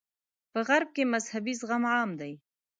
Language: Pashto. په غرب کې مذهبي زغم عام دی.